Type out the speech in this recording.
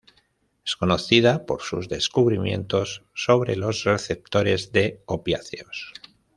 Es conocida por sus descubrimientos sobre los receptores de opiáceos.